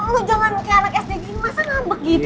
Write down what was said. lo jangan kayak anak sdg ini masa ngambek gitu sih